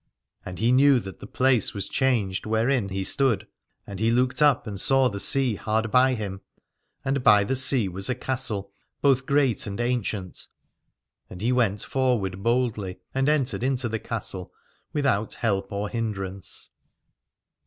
And he knew that the place was changed wherein Aladore he stood: and he looked up and saw the sea hard by him, and by the sea was a castle both great and ancient. And he went for ward boldly and entered into the castle with out help or hindrance.